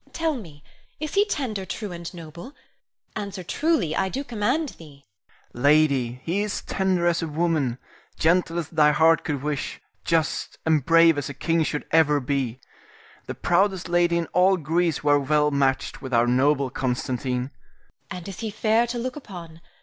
Tell me, is he tender, true, and noble? Answer truly, I do command thee. Rienzi. Lady, he is tender as a woman, gentle as thy heart could wish, just and brave as a king should ever be. The proudest lady in all Greece were well matched with our noble Constantine. Irene. And is he fair to look upon?